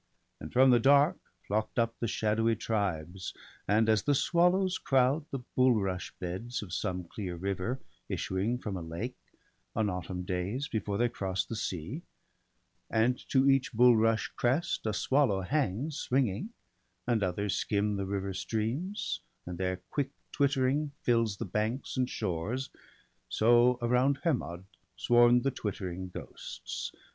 And from the dark flock'd up the shadowy tribes; — And as the swallows crowd the bulrush beds Of some clear river, issuing from a lake, On autumn days, before they cross the sea; 158 BALDER LEAD. And to each bulrush crest a swallow hangs Swinging, and others skim the river streams, And their quick twittering fills the banks and shores — So around Hermod swarm'd the twittering ghosts.